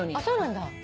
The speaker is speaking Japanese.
そうなんだ。